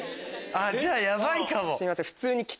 じゃあヤバいかも。